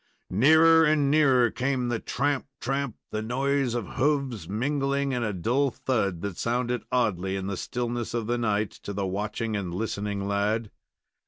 Nearer and nearer came the tramp, tramp, the noise of hoofs mingling in a dull thud that sounded oddly in the stillness of the night to the watching and listening lad.